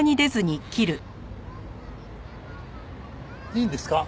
いいんですか？